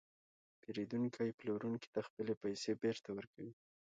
پېرودونکی پلورونکي ته خپلې پیسې بېرته ورکوي